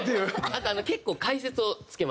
あと結構解説をつけます。